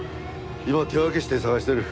今手分けして捜している。